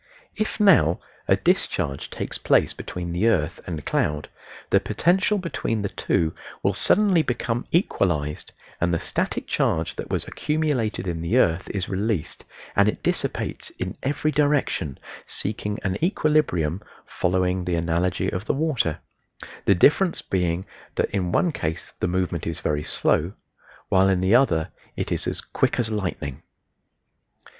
If now a discharge takes place between the earth and cloud the potential between the two will suddenly become equalized and the static charge that was accumulated in the earth is released and it dissipates in every direction, seeking an equilibrium, following the analogy of the water; the difference being that in one case the movement is very slow, while in the other it is as "quick as lightning."